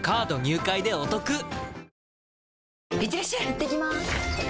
いってきます！